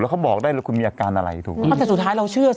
แล้วปวดอยู่พอดีเขาเลยเชื่อ